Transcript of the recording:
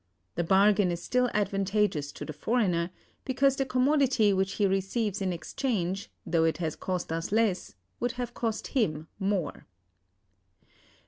The bargain is still advantageous to the foreigner, because the commodity which he receives in exchange, though it has cost us less, would have cost him more."